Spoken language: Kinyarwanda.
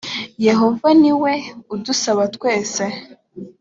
yehova ni we udusaba twese